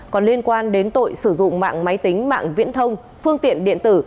còn liên quan đến tội sử dụng mạng máy tính mạng viễn thông phương tiện điện tử